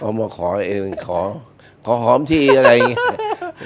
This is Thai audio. มาขอเองขอขอหอมทีอะไรอย่างนี้